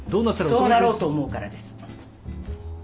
そうなろうと思うからです。